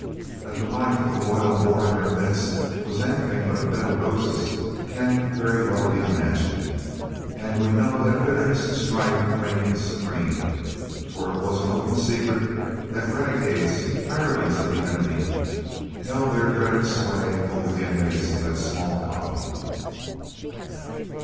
That the life of the loyal Boers in their midst was anything but a bed of roses can very well be imagined, and we know that bitterness and strife reigned supreme, for it was an open secret that renegades, hirelings of the enemy, held their dreaded sway over the inmates of that small colony.